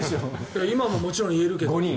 今ももちろん言えるけど。